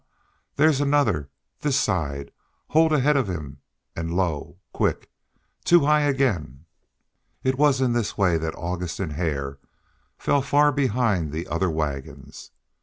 There's another this side hold ahead of him and low, quick! too high again." It was in this way that August and Hare fell far behind the other wagons.